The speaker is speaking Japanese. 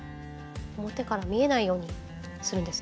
表から見えないようにするんですね